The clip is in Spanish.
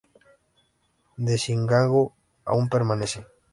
La sinagoga aún permanece.